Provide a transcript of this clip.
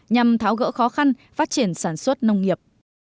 nhằm tháo gỡ khó khăn phát triển sản xuất nông nghiệp